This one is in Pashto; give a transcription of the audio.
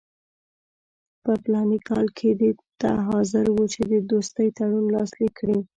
په فلاني کال کې دې ته حاضر وو چې د دوستۍ تړون لاسلیک کړي.